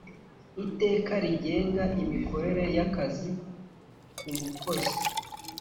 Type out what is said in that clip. Iteka rigenga imikorere y’akazi ku mukozi